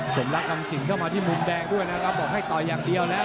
สมรักคำสิงเข้ามาที่มุมแดงด้วยนะครับบอกให้ต่อยอย่างเดียวแล้ว